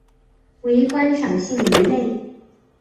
为观赏性鱼类。